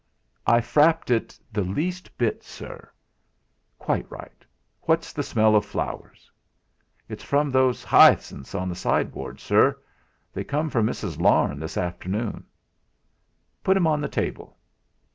"I frapped it the least bit, sir." "Quite right. What's that smell of flowers?" "It's from those 'yacinths on the sideboard, sir. They come from Mrs. Larne, this afternoon." "Put 'em on the table.